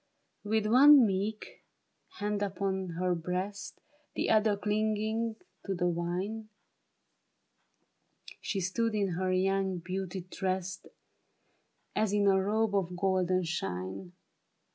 With one meek hand upon her breast, The other clinging to the vine, She stood in her young beauty dressed As in a robe of golden shine.